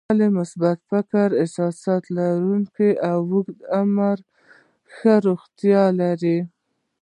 ولې د مثبت فکر او احساساتو لرونکي اوږد عمر او ښه روغتیا لري؟